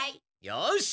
よし！